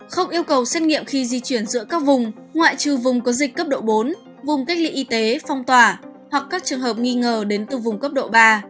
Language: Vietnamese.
không yêu cầu xét nghiệm khi di chuyển giữa các vùng ngoại trừ vùng có dịch cấp độ bốn gồm cách ly y tế phong tỏa hoặc các trường hợp nghi ngờ đến từ vùng cấp độ ba